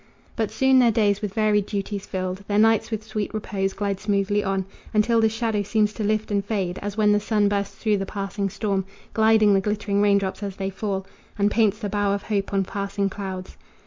But soon their days with varied duties filled, Their nights with sweet repose, glide smoothly on, Until this shadow seems to lift and fade As when the sun bursts through the passing storm, Gilding the glittering raindrops as they fall, And paints the bow of hope on passing clouds.